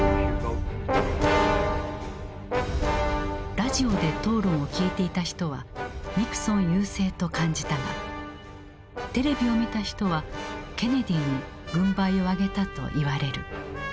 ラジオで討論を聴いていた人はニクソン優勢と感じたがテレビを見た人はケネディに軍配を上げたと言われる。